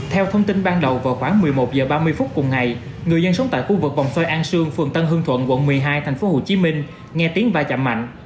theo thông tin ban đầu vào khoảng một mươi một h ba mươi phút cùng ngày người dân sống tại khu vực vòng xoay an sương phường tân hương thuận quận một mươi hai tp hcm nghe tiếng vai chạm mạnh